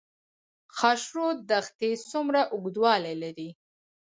خاشرود دښتې څومره اوږدوالی لري؟